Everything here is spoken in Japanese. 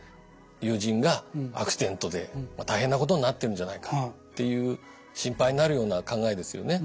「友人がアクシデントで大変なことになってるんじゃないか」っていう心配になるような考えですよね。